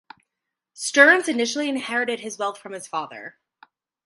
Stern's initially inherited his wealth from his father.